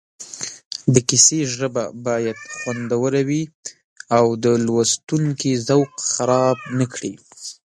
د کیسې ژبه باید خوندوره وي او د لوستونکي ذوق خراب نه کړي